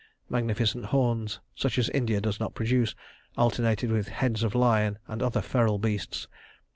Magnificent horns, such as India does not produce, alternated with heads of lion and other feral beasts.